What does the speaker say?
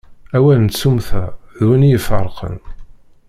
Awal n tsummta, d win i ifeṛṛqen.